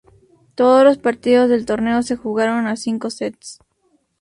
Todos los partidos del torneo se jugaron a cinco sets.